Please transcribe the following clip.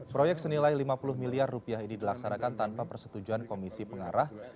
proyek senilai lima puluh miliar rupiah ini dilaksanakan tanpa persetujuan komisi pengarah